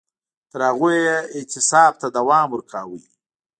تر هغو یې اعتصاب ته دوام ورکاوه